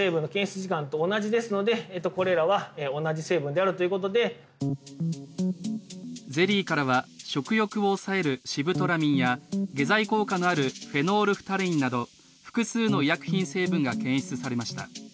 するとゼリーからは食欲を抑えるシブトラミンや下剤効果のあるフェノールフタレインなど、複数の医薬品成分が検出されました。